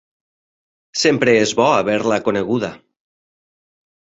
Sempre es bo haver-la coneguda